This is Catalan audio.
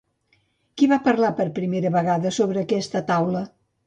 Qui va parlar, per primera vegada, sobre aquesta taula?